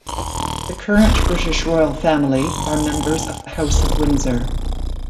The current British royal family are members of the House of Windsor.